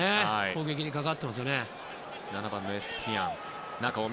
攻撃に関わっていますね。